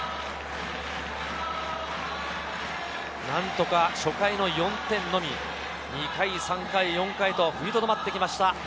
何とか初回の４点のみ、２回、３回、４回と踏みとどまってきました。